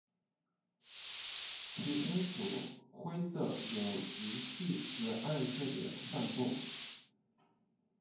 体成鼠灰色有极细之暗色点散布。